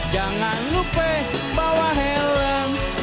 jangan lupa bawa helm